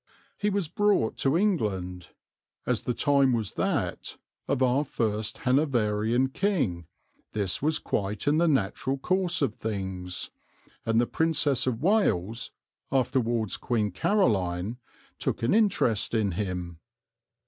He was brought to England as the time was that of our first Hanoverian King this was quite in the natural course of things and the Princess of Wales, afterwards Queen Caroline, took an interest in him.